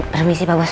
permisi pak bos